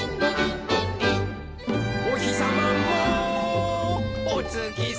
「おひさまもおつきさまも」